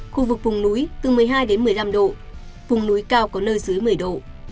khu vực vùng núi từ một mươi hai đến một mươi năm độ vùng núi cao có nơi dưới một mươi độ